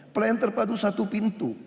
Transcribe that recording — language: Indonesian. pelayan terpadu satu pintu